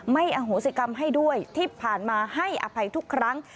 อโหสิกรรมให้ด้วยที่ผ่านมาให้อภัยทุกครั้ง